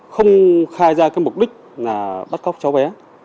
không khai ra cái mục đích là bắt cóc cháu bé